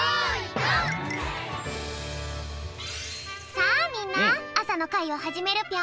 さあみんなあさのかいをはじめるぴょん。